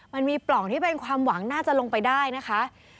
มันมีปล่องที่เป็นความหวังน่าจะลงไปได้นะคะ